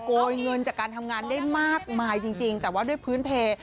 เงินจากการทำงานได้มากมายจริงแต่ว่าด้วยพื้นเพล